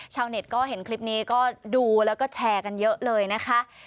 ชาวเน็ตก็เห็นคลิปนี้ก็ดูแล้วก็แชร์กันเยอะเลยนะคะ